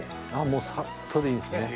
もうさっとでいいんですね。